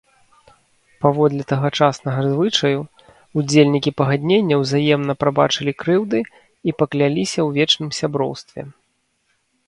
Паводле тагачаснага звычаю, удзельнікі пагаднення ўзаемна прабачылі крыўды і пакляліся ў вечным сяброўстве.